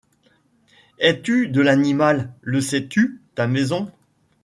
Es-tu de l’animal ? Le sais-tu ? Ta maison